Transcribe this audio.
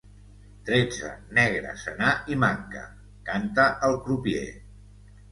Tretze, negre, senar i manca —canta el crupier.